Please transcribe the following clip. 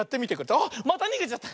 あっまたにげちゃった！